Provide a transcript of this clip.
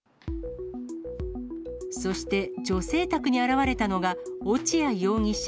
そして、女性宅に現れたのが落合容疑者。